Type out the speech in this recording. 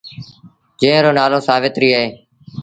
جݩهݩ رو نآلو سآويتريٚ اهي ۔